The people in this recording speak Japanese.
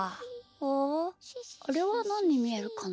ああれはなににみえるかな？